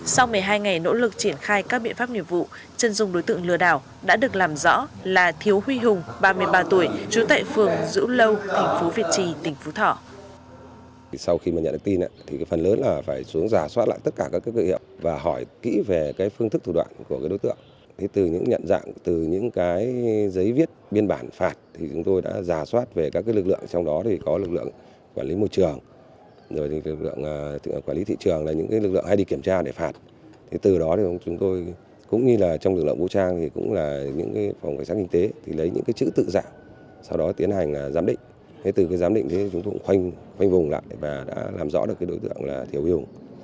sau một mươi hai ngày nỗ lực triển khai các biện pháp nhiệm vụ chân dung đối tượng lừa đảo đã được làm rõ là thiếu huy hùng ba mươi ba tuổi trú tại phường dũ lâu thành phố việt trì tỉnh phú thọ